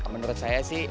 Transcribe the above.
menurut saya sih